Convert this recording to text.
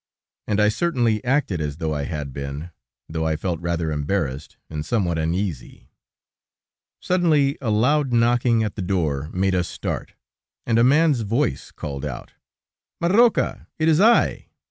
And I certainly acted as though I had been, though I felt rather embarrassed and somewhat uneasy. Suddenly a loud knocking at the door made us start, and a man's voice called out: "Marroca, it is I."